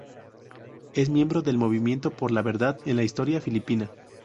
Es miembro del "Movimiento por la verdad en la historia filipina".